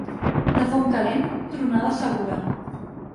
De Fontcalent, tronada segura.